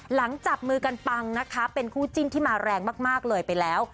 จับมือกันปังนะคะเป็นคู่จิ้นที่มาแรงมากเลยไปแล้ว